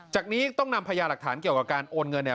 จากนี้ต้องนำพยาหลักฐานเกี่ยวกับการโอนเงินเนี่ย